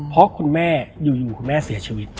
เพราะคุณแม่อยู่คุณแม่เสียชีวิต